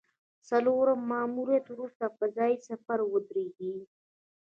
څلورم ماموریت وروسته فضايي سفر ودرېږي